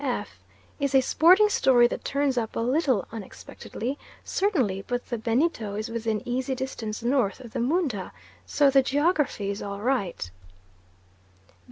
F. Is a sporting story that turns up a little unexpectedly, certainly; but the Benito is within easy distance north of the Moondah, so the geography is all right.